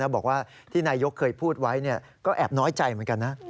บอกว่าที่นายกเคยพูดไว้ก็แอบน้อยใจเหมือนกันนะ